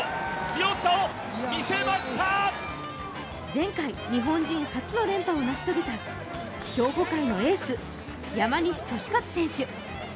前回、日本人初の連覇を成し遂げた競歩界のエース・山西利和選手。